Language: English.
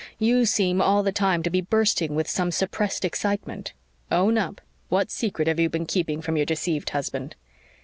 You seem all the time to be bursting with some suppressed excitement. Own up. What secret have you been keeping from your deceived husband?"